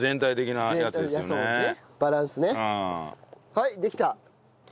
はいできた。